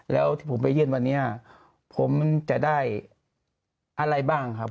แล้วที่ผมไปยื่นวันนี้ผมจะได้อะไรบ้างครับ